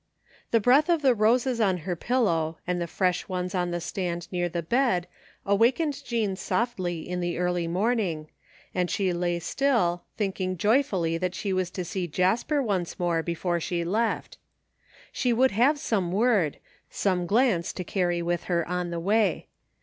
The breath of the roses on her pillow and the fresh ones on the stand near the bed wakened Jean softly in the early morning, and she lay still, thinking joy ously that she was to see Jasper once more before she left She would have some word, some glance to carry with her on the way.